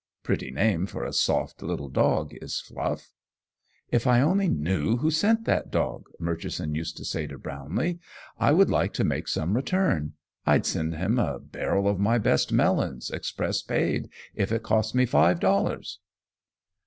Pretty name for a soft, little dog is Fluff. "If I only knew who sent that dog," Murchison used to say to Brownlee, "I would like to make some return. I'd send him a barrel of my best melons, express paid, if it cost me five dollars!"